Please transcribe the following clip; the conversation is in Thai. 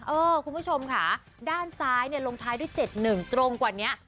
คุณผู้ชมค่ะด้านซ้ายเนี่ยลงท้ายด้วย๗๑ตรงกว่านี้